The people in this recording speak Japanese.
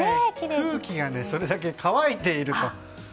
空気がそれだけ乾いていると。